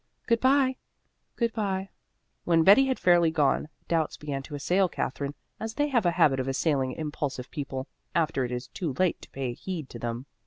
"Good bye." "Good bye." When Betty had fairly gone, doubts began to assail Katherine, as they have a habit of assailing impulsive people, after it is too late to pay heed to them.